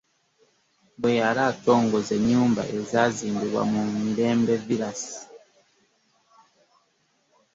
Bwe yali atongoza ennyumba ezaazimbibwa mu Mirembe Villas